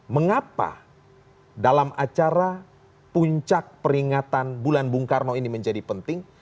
mengapa dalam acara puncak peringatan bulan bung karno ini menjadi penting